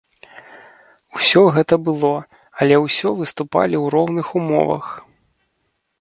Усё гэта было, але ўсё выступалі ў роўных умовах.